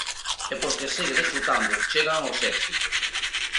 E porque segue desfrutando, chegan os éxitos.